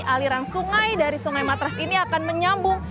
aliran sungai dari sungai matras ini akan menyambung